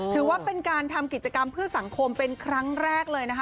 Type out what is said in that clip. ถือว่าเป็นการทำกิจกรรมเพื่อสังคมเป็นครั้งแรกเลยนะคะ